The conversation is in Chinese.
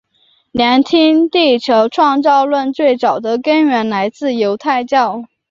年轻地球创造论最早的根源来自犹太教。